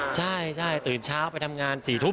ใช่ตื่นเช้าไปทำงาน๔ทุ่ม